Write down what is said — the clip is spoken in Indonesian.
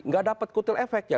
nggak dapat kutil efeknya